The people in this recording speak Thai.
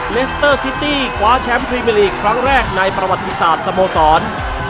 เลสเตอร์ซิตี้คว้าแชมป์พรีเมอร์ลีกครั้งแรกในประวัติศาสตร์สโมสร